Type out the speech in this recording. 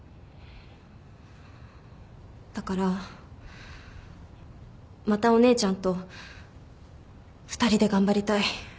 だからまたお姉ちゃんと２人で頑張りたい。